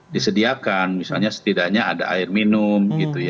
disediakan misalnya setidaknya ada air minum